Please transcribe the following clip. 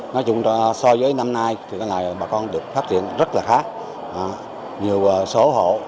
nói chung là so với năm nay thì cái này bà con được phát triển rất là khác nhiều số hộ